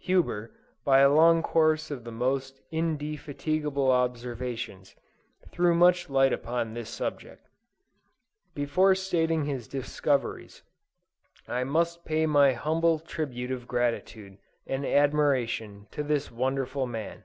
Huber, by a long course of the most indefatigable observations, threw much light upon this subject. Before stating his discoveries, I must pay my humble tribute of gratitude and admiration, to this wonderful man.